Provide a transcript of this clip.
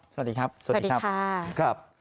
สวัสดีครับ